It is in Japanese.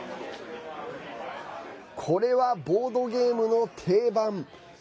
これは、ボードゲームの定番。